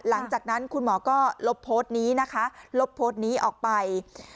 หลังจากนั้นคุณหมอก็ลบโพสต์นี้นะคะลบโพสต์นี้ออกไป